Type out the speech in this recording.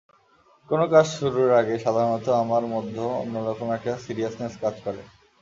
কোনো কাজ শুরুর আগে সাধারণত আমার মধ্যে অন্যরকম একটা সিরিয়াসনেস কাজ করে।